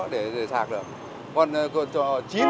để sạc được còn